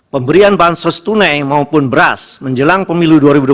pemberian bansos tunai maupun beras menjelang pemilu dua ribu dua puluh